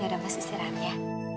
ya udah mas istirahat ya